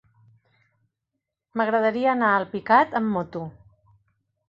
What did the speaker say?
M'agradaria anar a Alpicat amb moto.